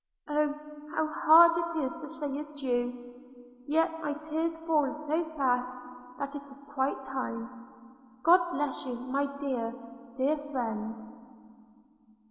Oh! how hard it is to say adieu! yet my tears fall so fast that it is quite time – God bless you, my dear, dear friend!'